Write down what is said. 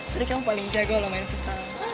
jadi kamu paling jago lah main futsal